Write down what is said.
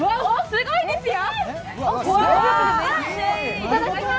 すごいですよ！